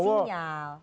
seperti memberikan sinyal